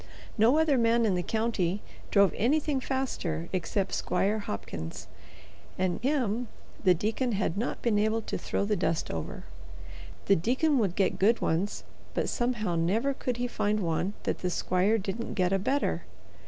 No other man in the county drove anything faster except Squire Hopkins, and him the deacon had not been able to throw the dust over. The deacon would get good ones, but somehow never could he find one that the squire didn't get a better.